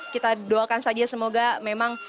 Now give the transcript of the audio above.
kita doakan saja semoga memang